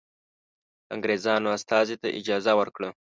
د انګرېزانو استازي ته اجازه ورکړه.